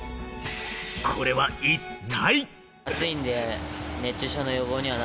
これは一体？